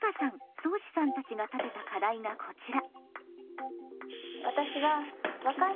そうしさんたちが立てた課題がこちら。